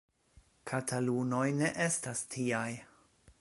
Katalunoj ne estas tiaj.